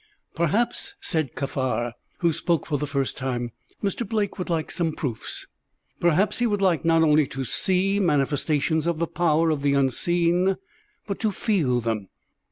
"Perhaps," said Kaffar, who spoke for the first time, "Mr. Blake would like some proofs. Perhaps he would like not only to see manifestations of the power of the unseen, but to feel them.